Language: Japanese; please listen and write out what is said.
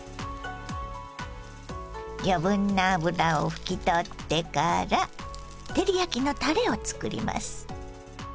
余分な脂を拭き取ってから照り焼きのたれを作ります。